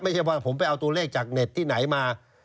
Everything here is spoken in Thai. ไม่ใช่ว่าผมไปเอาตัวเลขจากเน็ตที่ไหนมา